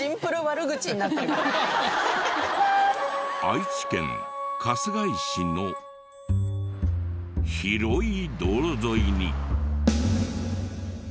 愛知県春日井市の広い道路沿いに。